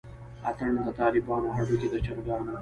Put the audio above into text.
اتڼ دطالبانو هډوکے دچرګانو